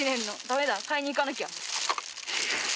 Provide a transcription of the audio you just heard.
駄目だ買いに行かなきゃ。